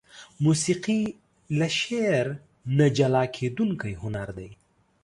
موسيقي له شعر نه جلاکيدونکى هنر دى.